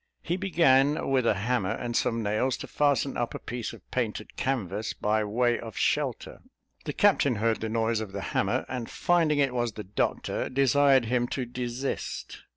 He began, with a hammer and some nails, to fasten up a piece of painted canvas, by way of shelter. The captain heard the noise of the hammer, and finding it was the doctor, desired him to desist.